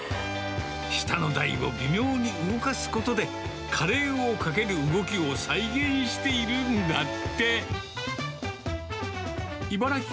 下の台を微妙に動かすことで、カレーをかける動きを再現していたんだって。